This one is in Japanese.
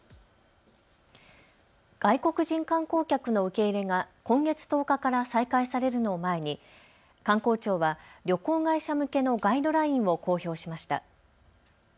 外国人観光客の受け入れが今月１０日から再開されるのを前に観光庁は旅行会社向けのガイドラインを公表しました。